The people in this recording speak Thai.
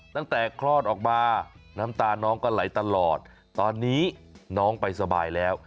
คลอดออกมาน้ำตาน้องก็ไหลตลอดตอนนี้น้องไปสบายแล้ว